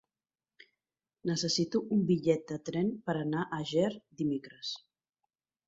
Necessito un bitllet de tren per anar a Ger dimecres.